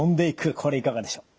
これいかがでしょう？